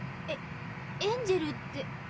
えエンジェルって。